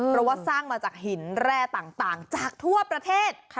เพราะว่าสร้างมาจากหินแร่ต่างจากทั่วประเทศ